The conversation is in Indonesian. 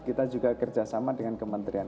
kita juga kerjasama dengan kementerian